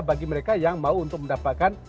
bagi mereka yang mau untuk mendapatkan